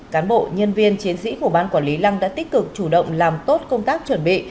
cán bộ nhân viên chiến sĩ của ban quản lý lăng đã tích cực chủ động làm tốt công tác chuẩn bị